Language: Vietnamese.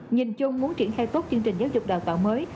nhìn chung muốn triển khai tốt chương trình giáo dục đào tạo mới